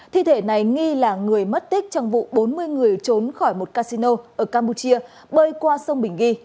thi thể này nghi là người mất tích trong vụ bốn mươi người trốn khỏi một casino ở campuchia bơi qua sông bình ghi